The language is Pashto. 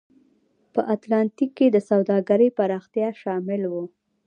په اتلانتیک کې د سوداګرۍ پراختیا شامل و.